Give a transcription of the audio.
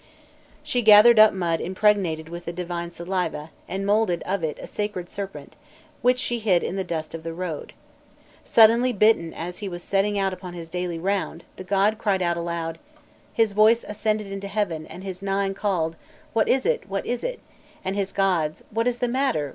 She gathered up mud impregnated with the divine saliva, and moulded of it a sacred serpent which she hid in the dust of the road. Suddenly bitten as he was setting out upon his daily round, the god cried out aloud, "his voice ascended into heaven and his Nine called: 'What is it? what is it?' and his gods: 'What is the matter?